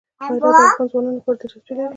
هرات د افغان ځوانانو لپاره دلچسپي لري.